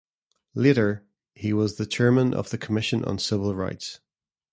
Later, he was the Chairman of the Commission on Civil Rights.